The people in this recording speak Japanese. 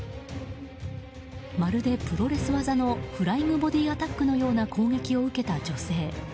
まるでプロレス技のフライング・ボディ・アタックのような攻撃を受けた女性。